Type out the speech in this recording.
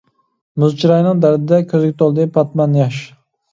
مۇز چىراينىڭ دەردىدە، كۆزگە تولدى پاتمان ياش.